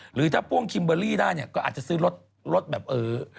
หรือถ้าพ่วงคิมเบอร์รี่ได้เนี่ยก็อาจจะซื้อรถรถแบบเออ